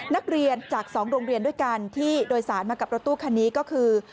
นักเรียนจาก๒โรงเรียนด้วยกันที่โดยสารมากับรถตู้คันนี้ก็คือ